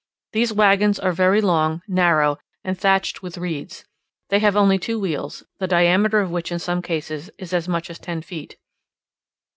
These waggons are very long, narrow, and thatched with reeds; they have only two wheels, the diameter of which in some cases is as much as ten feet.